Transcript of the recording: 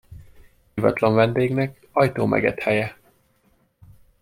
Hívatlan vendégnek ajtó megett helye.